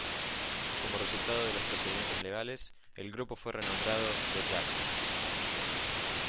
Como resultado de los procedimientos legales, el grupo fue renombrado The Jacksons.